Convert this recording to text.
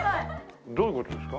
どういう事ですか？